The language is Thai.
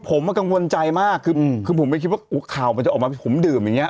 ผมกังวลใจมากคือผมไม่คิดว่าข่าวมันจะออกมาผมดื่มอย่างเงี้